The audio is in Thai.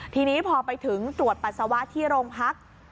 ทีนี้พอไปถึงตรวจปัสสาวะที่โรงพัก